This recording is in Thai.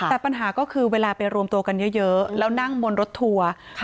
แต่ปัญหาก็คือเวลาไปรวมตัวกันเยอะแล้วนั่งบนรถทัวร์